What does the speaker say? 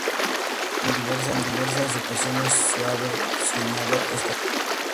En diversas ocasiones se ha versionado esta canción.